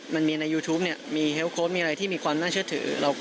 มันมีในยูทูปมียังไงที่มีความน่าเชื่อถือ